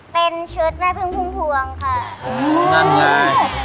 เป็นชุดแม่เพิ่งพุ่งพวงค่ะ